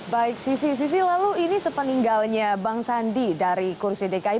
baik sisi sisi lalu ini sepeninggalnya bang sandi dari kursi dki